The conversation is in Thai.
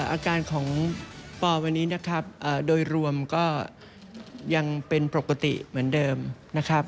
อาการของปอวันนี้นะครับโดยรวมก็ยังเป็นปกติเหมือนเดิมนะครับ